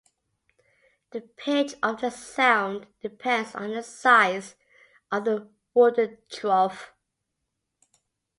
The pitch of the sound depends on the size of the wooden trough.